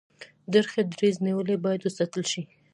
ډیر ښه دریځ نیولی باید وستایل شي.